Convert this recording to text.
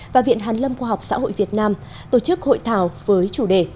và viện hàn lâm khoa học xã hội việt nam tổ chức hội thảo với chủ đề